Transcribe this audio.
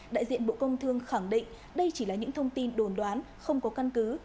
đại diện bộ công thương khẳng định đây chỉ là những thông tin đồn đoán không có căn cứ